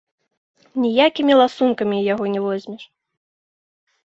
Ніякімі ласункамі яго не возьмеш!